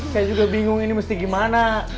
saya juga bingung ini mesti gimana